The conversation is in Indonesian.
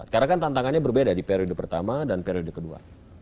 karena kan tantangannya berbeda di periode pertama dan periode kedua